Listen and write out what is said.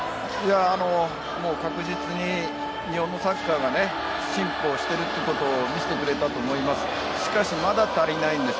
確実に日本のサッカーが進歩しているということを見せてくれたと思います。